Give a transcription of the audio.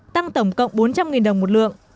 tăng tổng cộng bốn trăm linh đồng một lượng